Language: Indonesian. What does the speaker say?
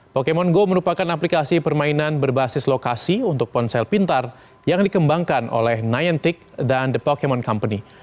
pokemon go merupakan aplikasi permainan berbasis lokasi untuk ponsel pintar yang dikembangkan oleh niantic dan the pokemon company